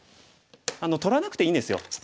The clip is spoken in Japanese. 取らなくていいんですよ。